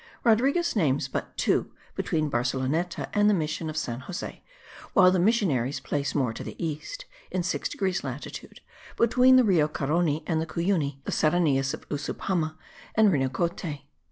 Rodriguez names but two between Barceloneta and the mission of San Jose; while the missionaries place more to the east, in 6 degrees latitude, between the Rio Caroni and the Cuyuni, the Serranias of Usupama and Rinocote.